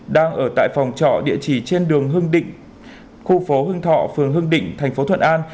đang ở tại phòng trọ địa chỉ trên đường hưng định khu phố hưng thọ phường hưng định thành phố thuận an